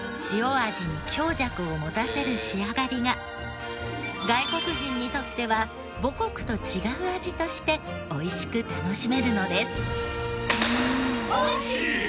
塩味に強弱を持たせる仕上がりが外国人にとっては母国と違う味としておいしく楽しめるのです。